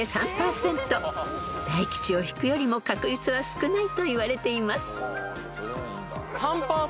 ［大吉を引くよりも確率は少ないといわれています］